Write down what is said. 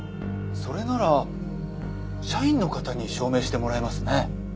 それなら社員の方に証明してもらえますね。